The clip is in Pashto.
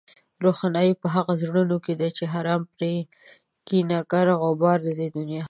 روښنايي په هغو زړونو ده حرامه چې پرې کېني گرد غبار د دې دنيا